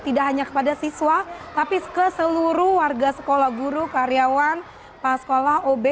tidak hanya kepada siswa tapi ke seluruh warga sekolah guru karyawan pas sekolah ob